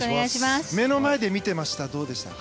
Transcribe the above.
目の前で見ていましたがどうでしたか？